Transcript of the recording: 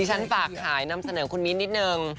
ฉันฝากหายนำเสนอคุณมิ้นนิดนึง